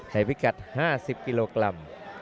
พิกัด๕๐กิโลกรัม